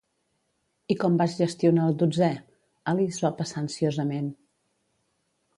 I com vas gestionar el dotzè? Alice va passar ansiosament.